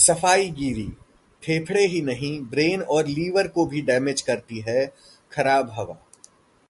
सफाईगीरी: फेफड़े ही नहीं, ब्रेन और लीवर को भी डैमेज करती है खराब हवा